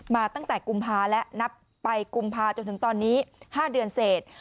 มาตั้งแต่กุมภาและนับไปกุมภาจนถึงตอนนี้๕เดือนเสร็จ